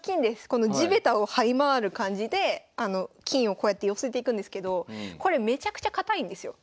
この地べたをはい回る感じで金をこうやって寄せていくんですけどこれめちゃくちゃ堅いんですよ。